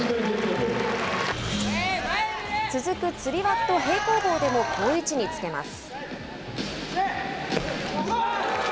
続くつり輪と平行棒でも好位置につけます。